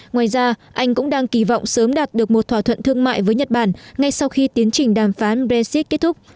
ngoài ra anh cũng đang kỳ vọng sớm đạt được một thỏa thuận thương mại với nhật bản ngay sau khi tiến trình đàm phán brexit kết thúc